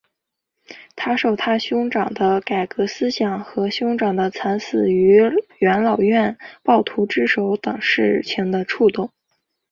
他受他兄长的改革思想和兄长的惨死于元老院暴徒之手等事情的触动。